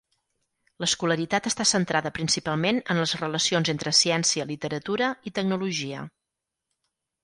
L"escolaritat està centrada principalment en les relacions entre ciència, literatura i tecnologia.